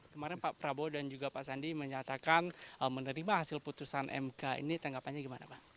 kemarin pak prabowo dan juga pak sandi menyatakan menerima hasil putusan mk ini tanggapannya gimana pak